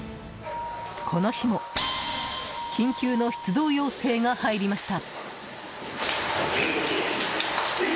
この日も緊急の出動要請が入りました。